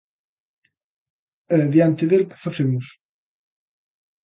E, diante del, que facemos?